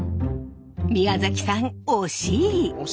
宮崎さん惜しい！